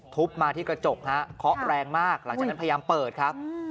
มาที่กระจกฮะเคาะแรงมากหลังจากนั้นพยายามเปิดครับ